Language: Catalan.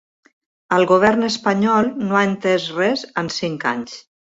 El govern espanyol no ha entès res en cinc anys.